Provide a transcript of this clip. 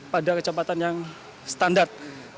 pada kecepatan yang standar